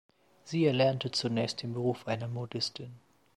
Sie erlernte zunächst den Beruf einer Modistin.